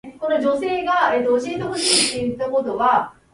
僕はスーパーの裏口を見つめる